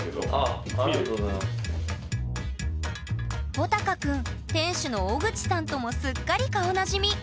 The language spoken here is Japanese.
ほたかくん店主の小口さんともすっかり顔なじみ。